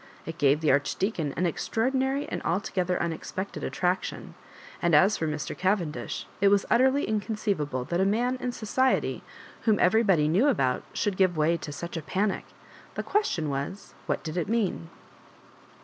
. It gave the Arch« deacon an extraordmary and altogether unex pected attraction ; and as for Mr. Cavendish, it was utterly inconceivable that a man in society, whom everybody knew about, should give way to such a panic The question was. What did it mean?